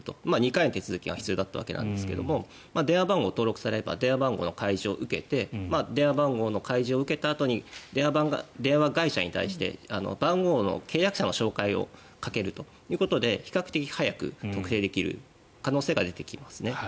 ２回の手続きが必要だったわけですが電話番号が登録されれば電話番号の開示を受けて電話番号の開示を受けたあとに電話会社に対して番号の契約者の照会をかけるということで比較的早く特定できる可能性が出てきますね。